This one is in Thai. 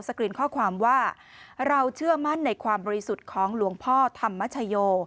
กรีนข้อความว่าเราเชื่อมั่นในความบริสุทธิ์ของหลวงพ่อธรรมชโย